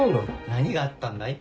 何があったんだい？